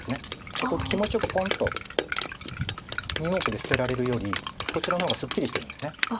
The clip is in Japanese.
ここ気持ちよくポンッと２目で捨てられるよりこちらの方がすっきりしてるんです。